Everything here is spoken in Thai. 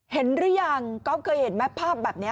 หรือยังก๊อฟเคยเห็นไหมภาพแบบนี้